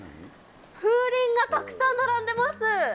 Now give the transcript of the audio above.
風鈴がたくさん並んでいます。